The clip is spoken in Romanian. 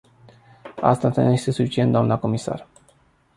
Asta nu este suficient, doamnă comisar.